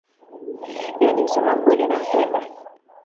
Yeye ni msema kweli nampenda